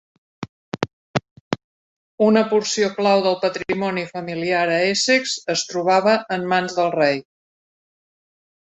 Una porció clau del patrimoni familiar a Essex es trobava en mans del rei.